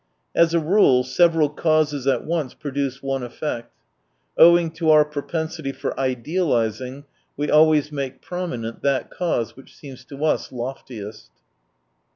As a rule, several causes at once produce one effect. Owing to our propensity for idealising, we always make prominent that cause which seems to us loftiest.